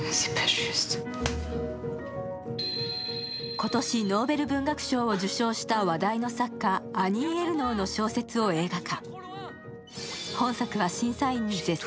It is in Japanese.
今年ノーベル文学賞を受賞した話題の作家、アニー・エルノーの小説を映画化。